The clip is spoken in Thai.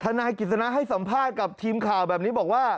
นายกิจสนาให้สัมภาษณ์กับทีมข่าวแบบนี้บอกว่า